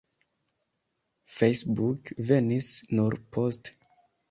Facebook venis nur poste.